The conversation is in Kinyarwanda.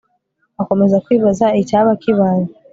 akomeza kwibaza icyaba kibaye